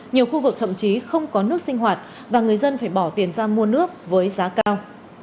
nhiều khu vực thậm chí không có nước sinh hoạt và người dân phải bỏ tiền ra mua nước với giá cao